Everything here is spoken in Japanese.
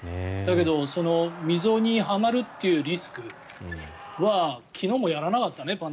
だけど溝にはまるというリスクは昨日もやらなかったね